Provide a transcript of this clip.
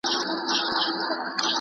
حاصل یې تلپاتې دی.